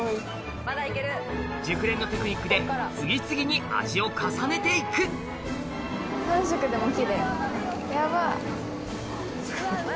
熟練のテクニックで次々に味を重ねて行く３色でもキレイヤバっ。